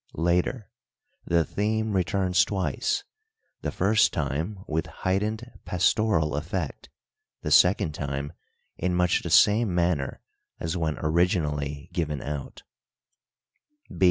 Later, "the theme returns twice the first time with heightened pastoral effect, the second time in much the same manner as when originally given out."